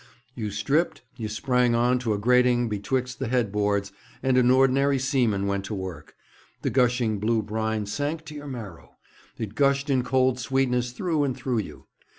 You stripped, you sprang on to a grating betwixt the head boards, and an ordinary seaman went to work. The gushing blue brine sank to your marrow. It gushed in cold sweetness through and through you.